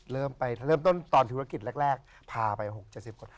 เริ่มต้นตอนธุรกิจแรกพาไป๖๗๐คน